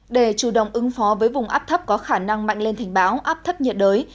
để chủ động ứng phó với vùng áp thấp có khả năng mạnh lên thành báo áp thấp nhiệt đới